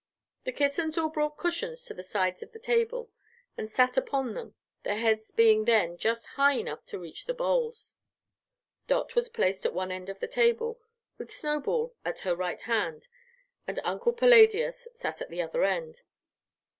The kittens all brought cushions to the sides of the table and sat upon them, their heads being then just high enough to reach the bowls. Dot was placed at one end of the table, with Snowball at her right hand, and Uncle Palladius sat at the other end.